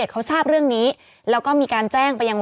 เขาทราบเรื่องนี้แล้วก็มีการแจ้งไปยัง